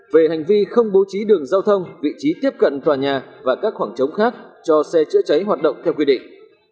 về hành vi không bố trí đường giao thông vị trí tiếp cận tòa nhà và các khoảng trống khác cho xe chữa cháy hoạt động theo quy định